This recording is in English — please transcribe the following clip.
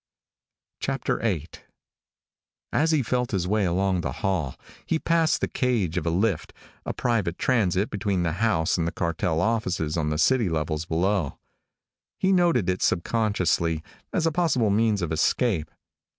VIII As he felt his way along the hall, he passed the cage of a lift, a private transit between the house and the cartel offices on the city levels below. He noted it subconsciously, as a possible means of escape.